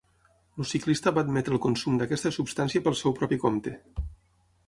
El ciclista va admetre el consum d'aquesta substància pel seu propi compte.